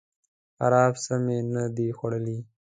خراب څه می نه دي خوړلي